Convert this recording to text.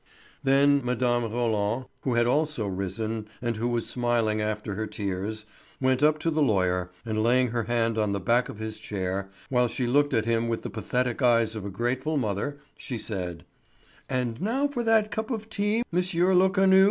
Then Mme. Roland, who had also risen and who was smiling after her tears, went up to the lawyer, and laying her hand on the back of his chair while she looked at him with the pathetic eyes of a grateful mother, she said: "And now for that cup of tea, Monsieur Lecanu?"